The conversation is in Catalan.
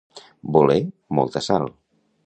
Voler molta sal.